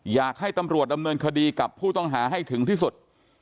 อยากให้ตำรวจดำเนินคดีกับผู้ต้องหาให้ถึงที่สุด